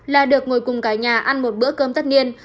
là được ngồi cùng cả nhà ăn một bữa cơm tất niên